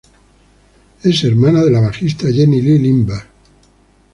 Es hermana de la bajista Jenny Lee Lindberg.